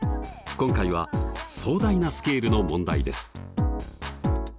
今回は壮大なスケールの問題です。